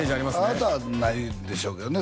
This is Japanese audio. あなたはないんでしょうけどね